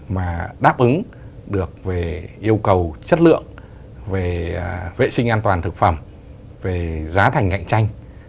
mà đáp ứng được về yêu cầu chất lượng về vệ sinh an toàn thực phẩm về giá thành cạnh tranh